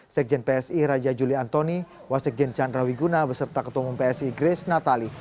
sekjen psi raja juli antoni wasekjen chandra wiguna beserta ketua umum psi grace natali